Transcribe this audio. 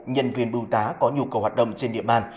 nhân viên bưu tá có nhu cầu hoạt động trên địa bàn